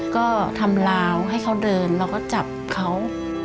ก็ทำลาวให้เขาเดินแล้วก็จับเขา